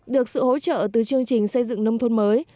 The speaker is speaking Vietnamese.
được sự hỗ trợ từ chương trình xây dựng nông thôn mới